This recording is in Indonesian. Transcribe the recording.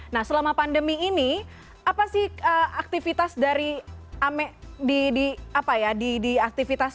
nah selama pandemi ini apa sih aktivitas dari ame di apa ya di aktivitas